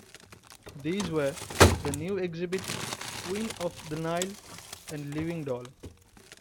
These were "The New Exhibit", "Queen of the Nile" and "Living Doll".